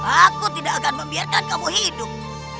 aku tidak akan membiarkan kamu hidup